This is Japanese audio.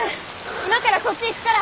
今からそっち行くから。